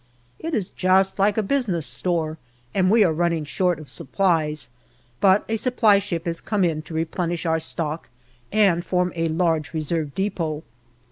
It is just like a business store, and we are running short of supplies, but a Supply ship has come in to replenish our stock and form a large reserve depot.